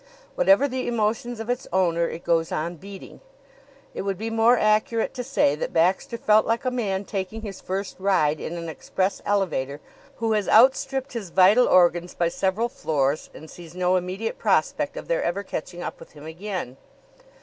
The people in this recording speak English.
Whatever the emotions of its owner, it goes on beating. It would be more accurate to say that Baxter felt like a man taking his first ride in an express elevator, who has outstripped his vital organs by several floors and sees no immediate prospect of their ever catching up with him again.